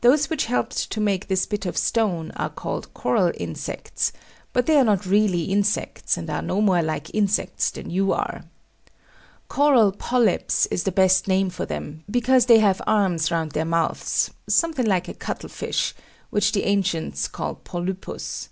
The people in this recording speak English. Those which helped to make this bit of stone are called coral insects: but they are not really insects, and are no more like insects than you are. Coral polypes is the best name for them, because they have arms round their mouths, something like a cuttlefish, which the ancients called Polypus.